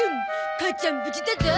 母ちゃん無事だゾ。